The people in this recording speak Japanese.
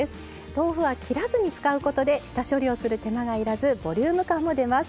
豆腐は切らずに使うことで下処理をする手間が要らずボリューム感も出ます。